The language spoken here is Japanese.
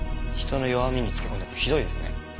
人の弱みにつけ込んでひどいですね。